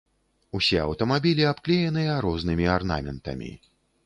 Усе аўтамабілі абклееныя рознымі арнаментамі.